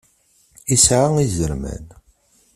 Isεa izerman.